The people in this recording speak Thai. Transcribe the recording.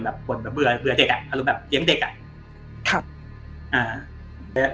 จึงบ่นแบบเบื่อเด็กอารมณ์เหมือนเบื่อเด็ก